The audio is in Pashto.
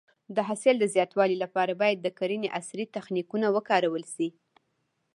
د حاصل د زیاتوالي لپاره باید د کرنې عصري تخنیکونه وکارول شي.